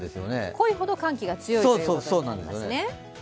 濃いほど寒気が強いということですね。